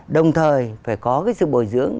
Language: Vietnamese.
đồng thời phải có cái sự bồi dưỡng